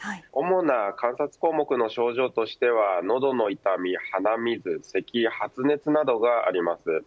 主な観察項目の症状としては喉の痛み、鼻水せき、発熱などがあります。